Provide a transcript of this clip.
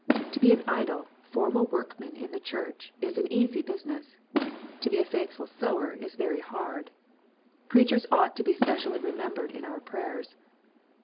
To be an idle, formal workman in the Church is an easy busi ness. To be a faithful sower is very hard. Preachers ought to be specially remembered in our prayers.